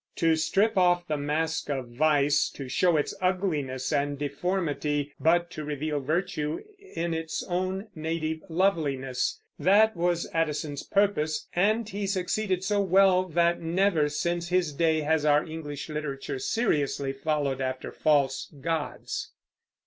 To strip off the mask of vice, to show its ugliness and deformity, but to reveal virtue in its own native loveliness, that was Addison's purpose; and he succeeded so well that never, since his day, has our English literature seriously followed after false gods.